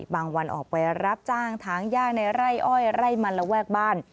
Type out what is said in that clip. วันออกไปรับจ้างถางย่างในไร่อ้อยไร่มันระแวกบ้าน